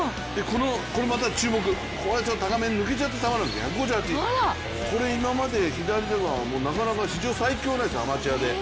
これまた注目、高めに抜けちゃった球なんだけど、１５８、これ今まで左ではなかなか、史上最強なんです、アマチュアで。